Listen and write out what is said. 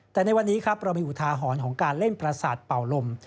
แต่ในวันนี้ครับเรามีอุทาหรณ์ของการเล่นประสาทเป่าลม